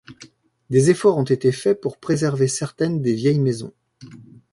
Des efforts ont été faits pour préserver certaines des vieilles maisons.